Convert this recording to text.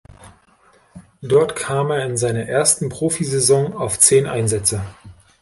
Dort kam er in seiner ersten Profisaison auf zehn Einsätze.